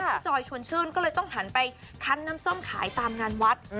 จอยชวนชื่นก็เลยต้องหันไปคั้นน้ำส้มขายตามงานวัด